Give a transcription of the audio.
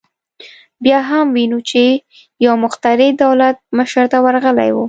بیا هم وینو چې یو مخترع دولت مشر ته ورغلی و